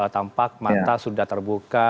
tampak mata sudah terbuka